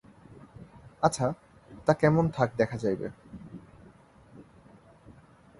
আচ্ছা, তা কেমন থাক দেখা যাইবে।